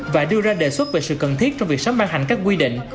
và đưa ra đề xuất về sự cần thiết trong việc sớm ban hành các quy định